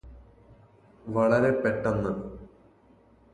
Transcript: വളരെ പെട്ടന്ന്